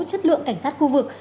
chất lượng cảnh sát khu vực